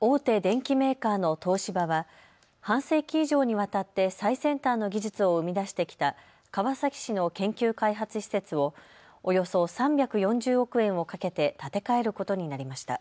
大手電機メーカーの東芝は半世紀以上にわたって最先端の技術を生み出してきた川崎市の研究開発施設をおよそ３４０億円をかけて建て替えることになりました。